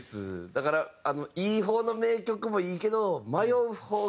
だからいい方の「名曲」もいいけど。